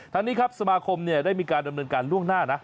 ทางนี้ครับสมาคมได้มีการดำเนินการล่วงหน้านะ